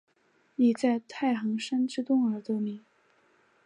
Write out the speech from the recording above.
以在太行山之东而得名。